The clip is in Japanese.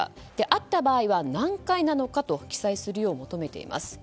あった場合は何回なのかと記載するよう求めています。